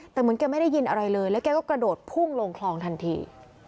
แต่เหมือนแกไม่ได้ยินอะไรเลยแล้วแกก็กระโดดพุ่งลงคลองทันที